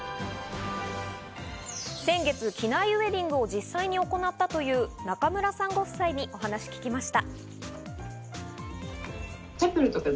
先月、機内ウエディングを実際に行ったという中村さんご夫妻にお話を聞きました。